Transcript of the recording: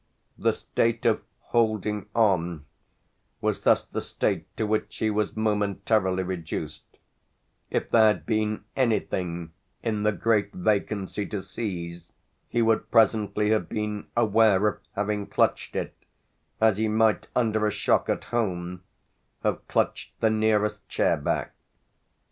The state of "holding on" was thus the state to which he was momentarily reduced; if there had been anything, in the great vacancy, to seize, he would presently have been aware of having clutched it as he might under a shock at home have clutched the nearest chair back.